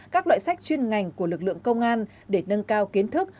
các loại sách chuyên ngành của lực lượng công an để nâng cao kiến thức